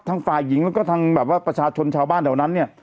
ฝ่ายหญิงแล้วก็ทางแบบว่าประชาชนชาวบ้านแถวนั้นเนี่ย